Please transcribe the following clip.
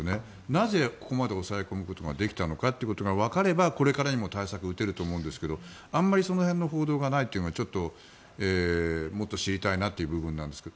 なぜここまで抑え込むことができたのかということがわかればこれからにも対策を打てると思うんですけどあまりその辺の報道がないというのがちょっともっと知りたいなという部分なんですが。